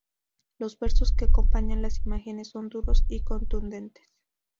Los versos que acompañan las imágenes son duros y contundentes.